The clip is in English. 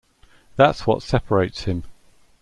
That's what separates him.